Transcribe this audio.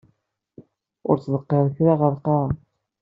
Ur ttḍeqqir kra ɣer lqaɛa.